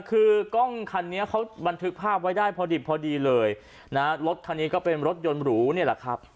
คือกล้องคันนี้เขาบันทึกภาพไว้ได้พอดิบพอดีเลยนะรถคันนี้ก็เป็นรถยนต์หรูเนี่ยแหละครับ